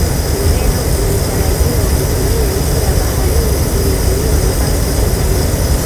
Ureno ilitarajiwa kutumia njia ya baharini iliyotumiwa Vasco da Ghama